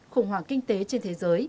khủng hoảng kinh tế trên thế giới